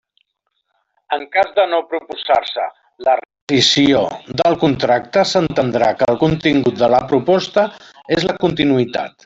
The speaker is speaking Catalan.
En cas de no proposar-se la rescissió del contracte s'entendrà que el contingut de la proposta és la continuïtat.